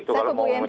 saya ke bu yanti